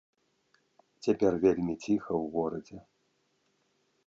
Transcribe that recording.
Цяпер вельмі ціха ў горадзе.